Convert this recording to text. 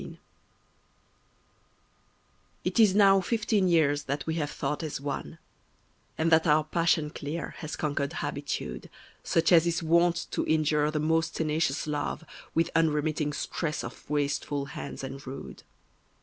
XIV It is now fifteen years that we have thought as one; And that our passion clear has conquered habitude, Such as is wont to injure the most tenacious love With unremitting stress of wasteful hands and rude.